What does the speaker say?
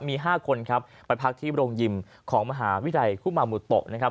มี๕คนครับไปพักที่โรงยิมของมหาวิทยาลัยคุมามุโตะนะครับ